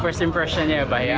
first impression nya banyak